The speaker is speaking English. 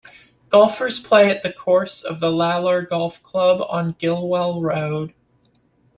Golfers play at the course of the Lalor Golf Club on Gillwell Road.